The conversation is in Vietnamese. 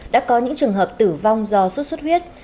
đã có những trường hợp tử vong do sốt xuất huyết